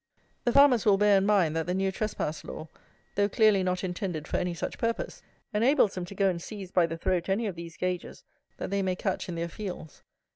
The farmers will bear in mind that the New Trespass law, though clearly not intended for any such purpose, enables them to go and seize by the throat any of these gaugers that they may catch in their fields.